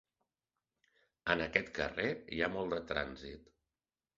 En aquest carrer hi ha molt de trànsit.